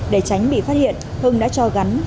để tránh bị phát hiện hưng đã cho gắn